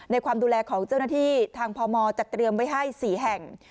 ความดูแลของเจ้าหน้าที่ทางพมจัดเตรียมไว้ให้๔แห่ง